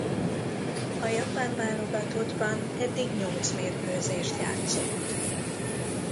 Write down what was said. A japán válogatottban eddig nyolc mérkőzést játszott.